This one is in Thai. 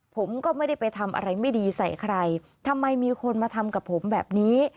ผมก็ไม่ได้ไปทำอะไรไม่ดีใส่ใครทำไมมีคนมาทำกับผมแบบนี้